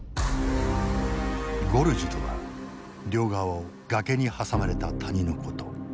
ゴルジュとは両側を崖に挟まれた谷のこと。